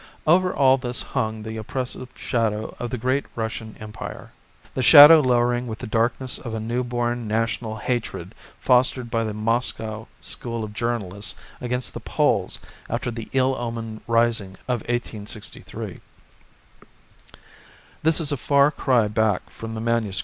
Over all this hung the oppressive shadow of the great Russian Empire the shadow lowering with the darkness of a newborn national hatred fostered by the Moscow school of journalists against the Poles after the ill omened rising of 1863. This is a far cry back from the MS.